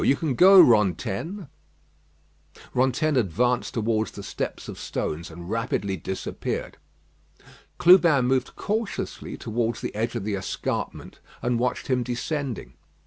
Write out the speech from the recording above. You can go, Rantaine." Rantaine advanced towards the steps of stones, and rapidly disappeared. Clubin moved cautiously towards the edge of the escarpment, and watched him descending.